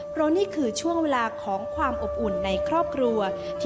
เพราะนี่คือช่วงเวลาของความอบอุ่นในครอบครัว